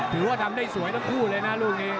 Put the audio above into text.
ถือว่าทำได้สวยทั้งคู่เลยนะลูกนี้